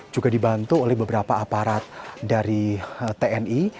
juga dibantu oleh beberapa aparat dari tni